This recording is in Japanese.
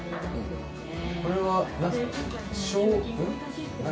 これはなんですか？